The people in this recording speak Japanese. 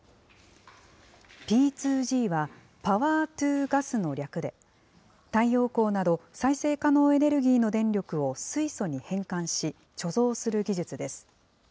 Ｐ２Ｇは、ＰｏｗｅｒｔｏＧａｓの略で、太陽光など再生可能エネルギーの電力を水素に変換し、貯蔵する技術です。